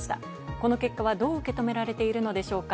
この結果はどう受け止められているのでしょうか。